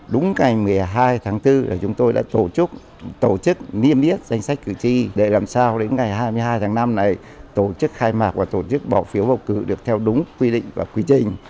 đúng ngày một mươi hai tháng bốn chúng tôi đã tổ chức tổ chức niêm yết danh sách cử tri để làm sao đến ngày hai mươi hai tháng năm này tổ chức khai mạc và tổ chức bỏ phiếu bầu cử được theo đúng quy định và quy trình